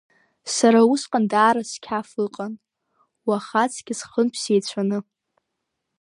Сара усҟан даара сқьаф ыҟан, уахаҵкьыс хынтә сеицәаны.